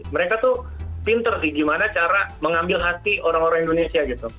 mereka tuh pinter sih gimana cara mengambil hati orang orang indonesia gitu